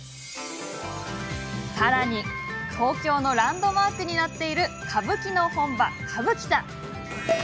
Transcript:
さらに東京のランドマークになっている歌舞伎の本場歌舞伎座。